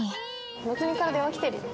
なつみから電話来てるよ。